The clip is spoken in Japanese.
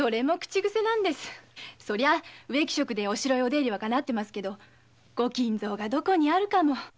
植木職でお城へお出入りしてますけど御金蔵がどこにあるかも。